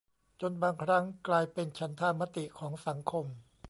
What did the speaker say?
จนบางครั้งกลายเป็นฉันทามติของสังคม